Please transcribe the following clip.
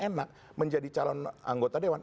enak menjadi calon anggota dewan